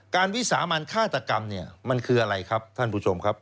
วิสามันฆาตกรรมเนี่ยมันคืออะไรครับท่านผู้ชมครับ